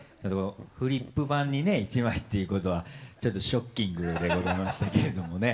フリップ板に１枚っていうことはちょっとショッキングでございましたけれども。